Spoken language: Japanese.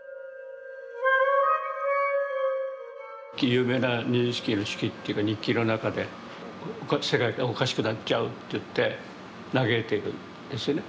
有名なニジンスキーの手記というか日記の中で世界がおかしくなっちゃうって言って嘆いているんですね。